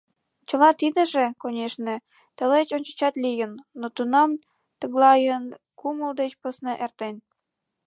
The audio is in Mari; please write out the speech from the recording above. Чыла тидыже, конешне, тылеч ончычат лийын, но тунам тыглайын, кумыл деч посна эртен.